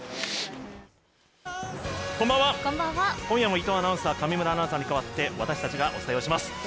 今夜も伊藤アナウンサー上村アナウンサーに代わって私たちがお伝えをします。